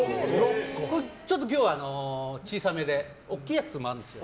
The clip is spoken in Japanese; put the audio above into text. ちょっと今日は小さめで大きいやつもあるんですよ。